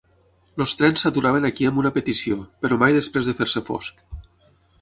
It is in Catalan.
Els trens s'aturaven aquí amb una petició, però mai després de fer-se fosc.